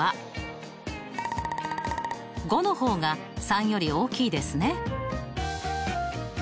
５の方が３より大きいですね。